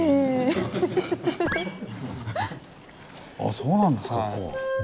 そうなんですかここは。